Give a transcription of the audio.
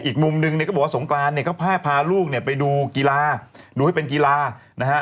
อีกมุมนึงก็บอกว่าสงกรานก็พาลูกไปดูกีฬาดูให้เป็นกีฬานะฮะ